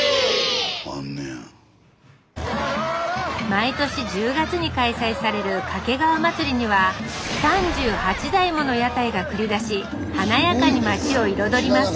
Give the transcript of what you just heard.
毎年１０月に開催される掛川祭には３８台もの屋台が繰り出し華やかに街を彩ります